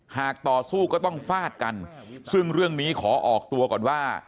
ต่อสู้ก็ต้องฟาดกันซึ่งเรื่องนี้ขอออกตัวก่อนว่า